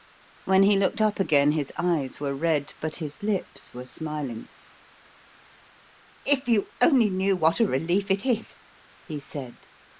When he looked up again his eyes were red, but his lips were smiling. "If you only knew what a relief it is," he said.